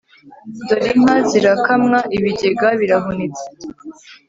dore inka zirakamwa ibigega birahunitse